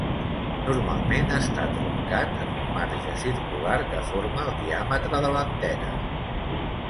Normalment està truncat en un marge circular que forma el diàmetre de l'antena.